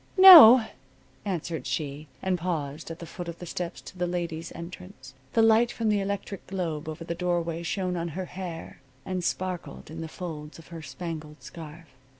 "No," answered she, and paused at the foot of the steps to the ladies' entrance. The light from the electric globe over the doorway shone on her hair and sparkled in the folds of her spangled scarf.